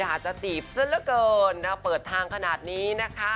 อาจจะจีบซะละเกินเปิดทางขนาดนี้นะคะ